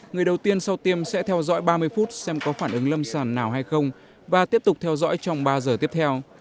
người đầu tiên sau tiêm sẽ theo dõi ba mươi phút xem có phản ứng lâm sàng nào hay không và tiếp tục theo dõi trong ba giờ tiếp theo